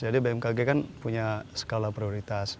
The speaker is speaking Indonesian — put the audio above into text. jadi bmkg kan punya skala prioritas